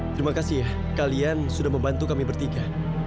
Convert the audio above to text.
terima kasih ya kalian sudah membantu kami bertiga